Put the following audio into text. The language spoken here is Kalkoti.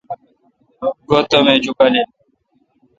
گو تم ایج اکالیل